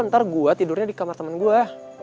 ntar gue tidurnya di kamar teman gue